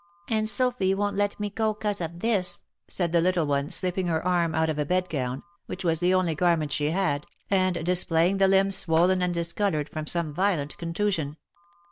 " And Sophy won't let me go, 'cause of this," said the little one, slipping her arm out of a bedgown (which was the only garment she had), and displaying the limb swollen and discoloured, from some violent contusion.